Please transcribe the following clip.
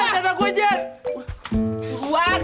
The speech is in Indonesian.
celana gua jajan